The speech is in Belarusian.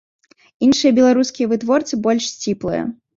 Іншыя беларускія вытворцы больш сціплыя.